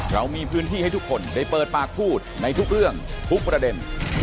เรามีพื้นที่ให้ทุกคนได้เปิดปากพูดในทุกเรื่องทุกประเด็น